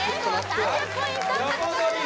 ３０ポイント獲得です